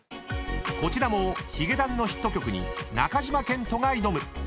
［こちらもヒゲダンのヒット曲に中島健人が挑む］